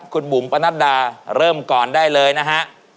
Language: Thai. คุณบุ๋มปะนัดดาเริ่มก่อนได้เลยนะฮะ